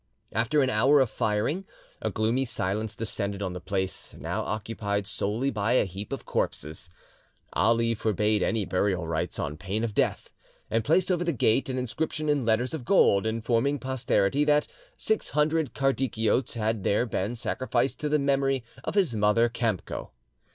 After an hour of firing, a gloomy silence descended on the place, now occupied solely by a heap of corpses. Ali forbade any burial rites on pain of death, and placed over the gate an inscription in letters of gold, informing posterity that six hundred Kardikiotes had there been sacrificed to the memory of his mother Kamco.